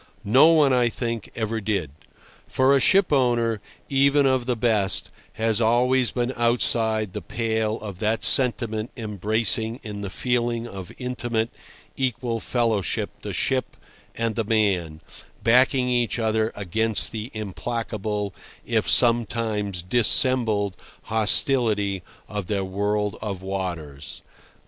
No one, I think, ever did; for a ship owner, even of the best, has always been outside the pale of that sentiment embracing in a feeling of intimate, equal fellowship the ship and the man, backing each other against the implacable, if sometimes dissembled, hostility of their world of waters.